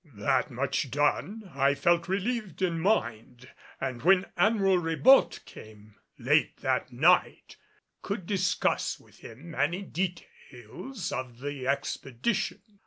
That much done, I felt relieved in mind, and when Admiral Ribault came late that night, could discuss with him many details of the expedition.